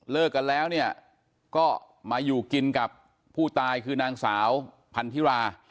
กันแล้วเนี่ยก็มาอยู่กินกับผู้ตายคือนางสาวพันธิรา